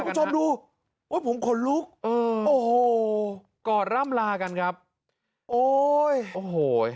พ่อจอดดูว่าผมขนลุกเออโอ้โหกอดร่ำรากันครับโอ้ยโอ้โห